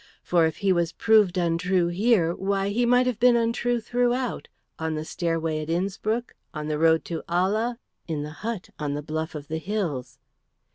For if he was proved untrue here, why, he might have been untrue throughout, on the stairway at Innspruck, on the road to Ala, in the hut on the bluff of the hills.